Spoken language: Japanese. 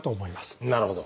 なるほど。